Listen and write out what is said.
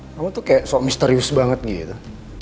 kamu tuh kayak suami misterius banget gitu